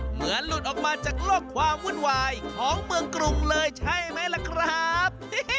หลุดออกมาจากโลกความวุ่นวายของเมืองกรุงเลยใช่ไหมล่ะครับ